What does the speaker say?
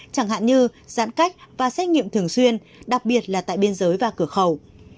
chẳng hạn như giãn cách và xét nghiệm thường xuyên đặc biệt là tại biên giới và cửa khẩu